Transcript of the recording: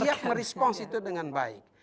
kita belum siap merespons itu dengan baik